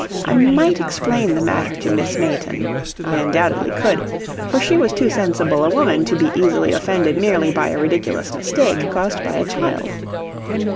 I might explain the matter to Miss Mayton I undoubtedly could, for she was too sensible a woman to be easily offended merely by a ridiculous mistake, caused by a child.